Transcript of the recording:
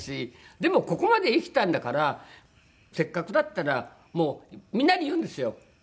でもここまで生きたんだからせっかくだったらもうみんなに言うんですよ。